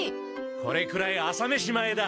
これくらい朝めし前だ。